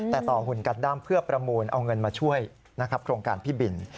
แต่ต่อหุ่นกัดด้ามเพื่อประมูลเอาเงินมาช่วยนะครับโครงการพี่บิน